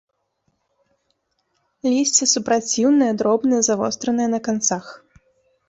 Лісце супраціўнае, дробнае, завостранае на канцах.